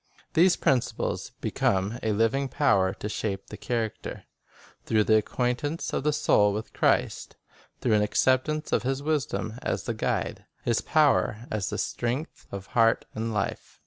These principles become a living power to shape the character, through the acquaintance of the soul with Christ; through an acceptance of His wisdom as the guide, His power as the strength, of heart and life.